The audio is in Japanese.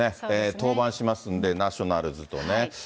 登板しますんで、ナショナルズとね。